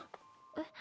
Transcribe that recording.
えっ？